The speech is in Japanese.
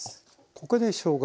ここでしょうが？